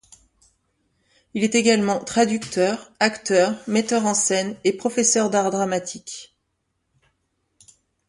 Il est également traducteur, acteur, metteur en scène et professeur d’art dramatique.